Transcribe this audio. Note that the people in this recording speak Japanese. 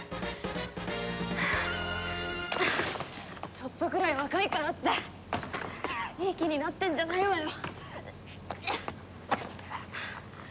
ちょっとぐらい若いからっていい気になってんじゃないわよ！